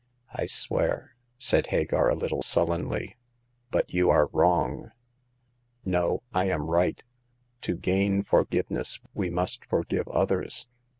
"I swear," said Hagar, a little sullenly. " But you are wrong." " No ; I am right. To gain forgiveness we must forgive others.